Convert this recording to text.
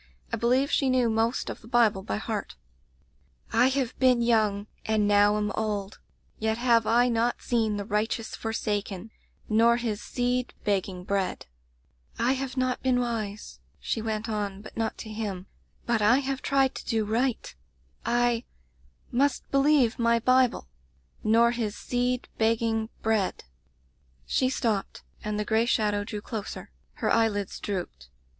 I believe she knew most of the Bible by heart: "*"/ have been young and now am old; yet have I not seen the righteous forsakeny nor his seed begging bread J^ "'I have not been wise,' she went on, but not to him, 'but I have tried to do right. I — Digitized by LjOOQ IC A Dispensation must believe my Bible — nor his seed beg ging bread J^ * "She stopped, and the gray shadow drew closer. Her eyelids drooped.